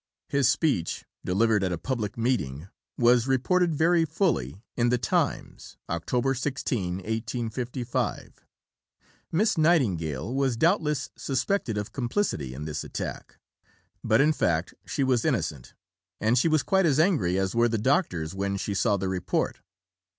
His speech, delivered at a public meeting, was reported very fully in the Times (Oct. 16, 1855). Miss Nightingale was doubtless suspected of complicity in this attack; but in fact she was innocent, and she was quite as angry as were the doctors when she saw the report.